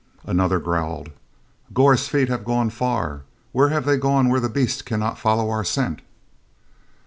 Another growled: "Gor's feet have gone far: where have they gone where the Beast cannot follow our scent?"